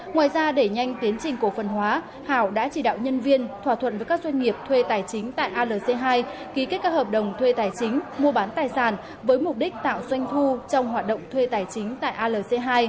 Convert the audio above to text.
ngoài ra để nhanh tiến trình cổ phần hóa hảo đã chỉ đạo nhân viên thỏa thuận với các doanh nghiệp thuê tài chính tại alc hai ký kết các hợp đồng thuê tài chính mua bán tài sản với mục đích tạo doanh thu trong hoạt động thuê tài chính tại alc hai